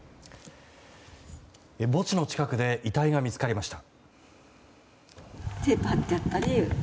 墓地の近くで遺体が見つかりました。